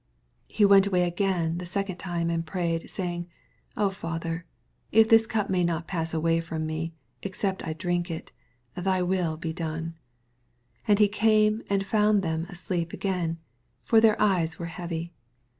42 He went away again the second time, and prayed, saying, O my Fa ther, if this cup mav not pass away from me, except I drink it, thy will he done. 48 And he came and foand then asleep again: for their eyes were heavy.